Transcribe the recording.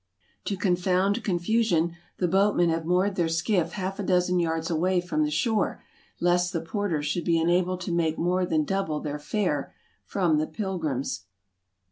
To confound confusion, the boatmen have moored their skiff half a dozen yards away from the shore, lest the porters should be unable to make more than double their fare from the pilgrims.